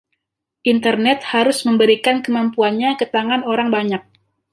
Internet harus memberikan kemampuannya ke tangan orang banyak.